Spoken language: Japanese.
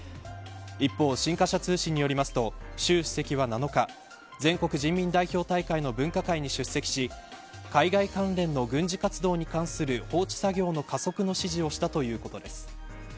一方、新華社通信によりますと習主席は７日全国人民代表大会の分科会に出席し海外関連の軍事活動に関する法治作業の加速の指示をしたということです。